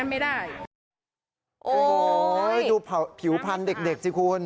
โอ้โหดูผิวพันธุ์เด็กสิคุณ